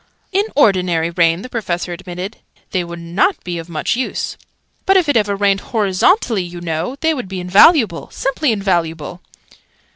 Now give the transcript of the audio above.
"In ordinary rain," the Professor admitted, "they would not be of much use. But if ever it rained horizontally, you know, they would be invaluable simply invaluable!"